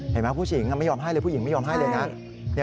เห็นไหมผู้หญิงไม่ยอมให้เลยผู้หญิงไม่ยอมให้เลยนะ